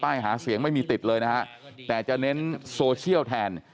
หาเสียงไม่มีติดเลยนะฮะแต่จะเน้นโซเชียลแทน